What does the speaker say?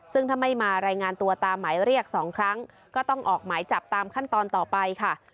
ซึ่งถ้าไม่มารายงานตัวตามหมายเรียก๒ครั้งก็ต้องออกหมายจับตามขั้นตอนต่อไปค่ะ